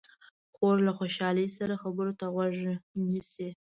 خور له خوشحالۍ سره خبرو ته غوږ نیسي.